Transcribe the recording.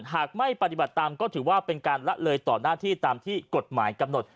หากไม่ปฏิบัติตามก็ถือว่าเป็นการละเลยต่อหน้าที่ตามที่กฎหมายกำหนด